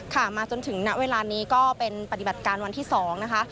มาจนถึงณเวลานี้ก็เป็นปฏิบัติการวันที่๒นะคะ